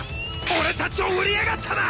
俺たちを売りやがったな！